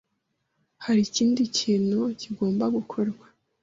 Hari ikindi kintu kigomba gukorwa?